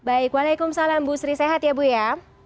baik waalaikumsalam bu sri sehat ya bu ya